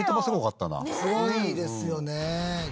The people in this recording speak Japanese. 「すごいですよね」